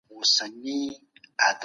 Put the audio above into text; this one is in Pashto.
د انسان اراده د تقدير برخه ده.